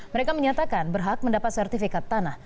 mereka menyatakan berhak mendapat sertifikat tanah